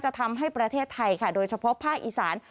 ทำให้ประเทศไทยค่ะโดยเฉพาะภาคอีสาน